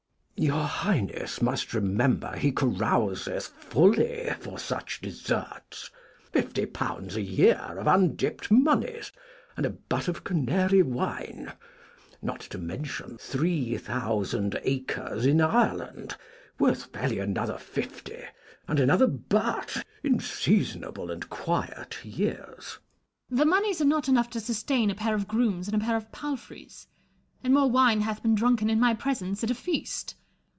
Your Highness must remember he carouseth fully for such deserts : fifty pounds a year of undipped moneys, and a butt of canary wine ; not to mention three thousand acres in Ireland, worth fairly another fifty and another butt, in seasonable and quiet years. Elizabeth. The moneys are not enough to sustain a pair of grooms and a pair of palfreys, and more wine hath been drunken in my presence at a feast.